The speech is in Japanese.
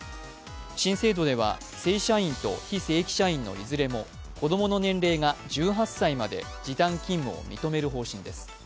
新制度では正社員と非正規社員のいずれも子供の年齢が１８歳まで時短勤務を認める方針です。